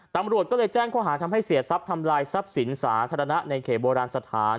ตำรวจก็เลยแจ้งความหารทำให้เสียสับทำลายสับสินสาธารณะในเขตโบราณสถาน